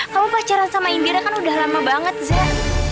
kamu pacaran sama indira kan udah lama banget zah